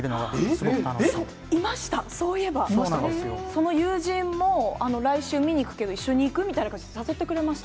その友人も、来週見に行くけど一緒に行く？みたいに誘ってくれました。